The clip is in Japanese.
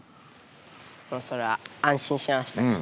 それは安心しました。